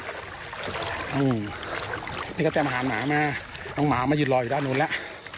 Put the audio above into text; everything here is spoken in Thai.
อืมนี่ก็จะมาหาหมามาน้องหมามาหยุดรออยู่ด้านนู้นแหละ